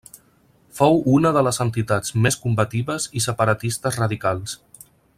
Fou una de les entitats més combatives i separatistes radicals.